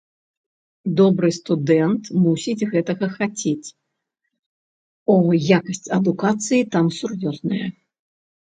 Добры студэнт мусіць гэтага хацець, о якасць адукацыі там сур'ёзная.